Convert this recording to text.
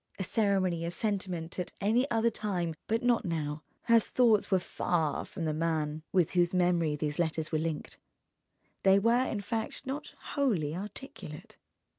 A ceremony of sentiment at any other time, but not now: her thoughts were far from the man with whose memory these letters were linked, they were in fact not wholly articulate.